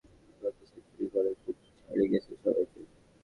ভারত সফরে আসা ব্যাটসম্যানদের মধ্যে সেঞ্চুরি করায় কুক ছাড়িয়ে গেছেন সবাইকে।